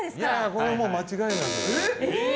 これは間違いなく。